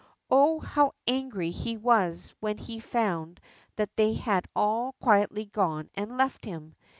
Oh, hoAv angry he Avas Avlien he found that they had all quietly gone and left him.